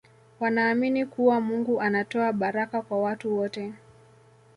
wanaamini kuwa mungu anatoa baraka kwa watu wote